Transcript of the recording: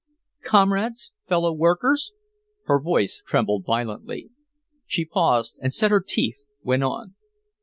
"Comrades fellow workers." Her voice trembled violently. She paused and set her teeth, went on.